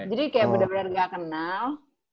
jadi kayak bener bener gak kenal